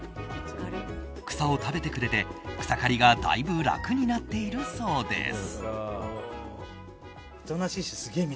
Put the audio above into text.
草を食べてくれて、草刈りがだいぶ楽になっているそうです。